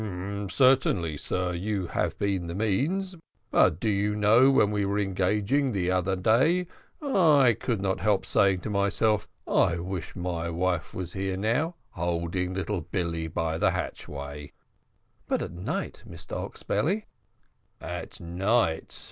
"Certainly, sir, you have been the means. But, do you know, when we were engaging the other day, I could not help saying to myself, `I wish my wife was here now, holding little Billy at the hatchway.'" "But at night, Mr Oxbelly." "At night!